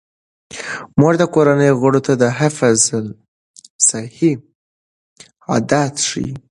مور د کورنۍ غړو ته د حفظ الصحې عادات ښيي.